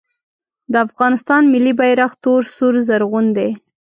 د افغانستان ملي بیرغ تور سور زرغون دی